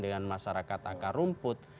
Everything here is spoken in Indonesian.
dengan masyarakat akar rumput